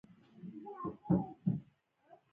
پوروړي باید خپل پور په وخت ورکړي